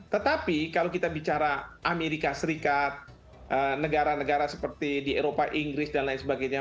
tetapi kalau kita bicara amerika serikat negara negara seperti di eropa inggris dan lain sebagainya